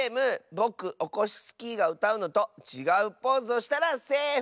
ぼくオコシスキーがうたうのとちがうポーズをしたらセーフ！